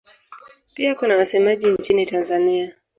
Pia kuna wasemaji nchini Tanzania.